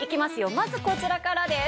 まずこちらからです。